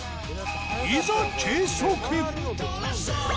いざ計測！